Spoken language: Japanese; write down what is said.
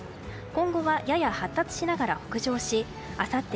今後はやや発達しながら北上しあさって